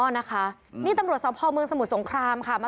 อ๋อนะคะนี่ตำรวจสมภวนเมืองสมุทรสงครามค่ะ